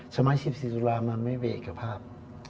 สมาชิก๔ตุลามันไม่มีเอกภาพ